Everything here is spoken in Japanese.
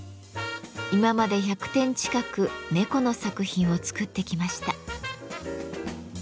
今まで１００点近く猫の作品を作ってきました。